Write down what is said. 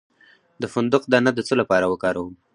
د فندق دانه د څه لپاره وکاروم؟